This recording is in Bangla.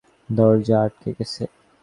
দরজা আটকে গেছে।